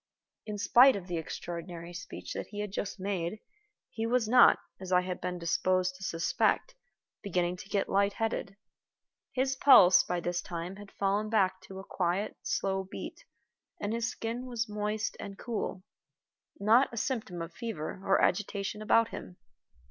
In spite of the extraordinary speech that he had just made, he was not, as I had been disposed to suspect, beginning to get light headed. His pulse, by this time, had fallen back to a quiet, slow beat, and his skin was moist and cool. Not a symptom of fever or agitation about him.